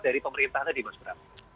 dari pemerintah tadi mas